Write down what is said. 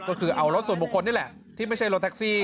ก็คือเอารถส่วนบุคคลนี่แหละที่ไม่ใช่รถแท็กซี่